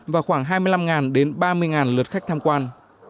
và khoảng hai mươi năm đến ba mươi lượt khách tham quan